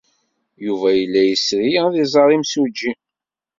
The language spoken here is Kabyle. Yuba yella yesri ad iẓer imsujji.